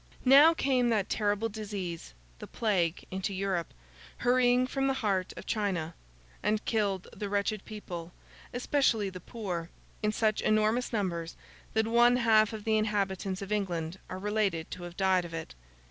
Now came that terrible disease, the Plague, into Europe, hurrying from the heart of China; and killed the wretched people—especially the poor—in such enormous numbers, that one half of the inhabitants of England are related to have died of it.